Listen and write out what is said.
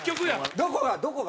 どこが？どこが？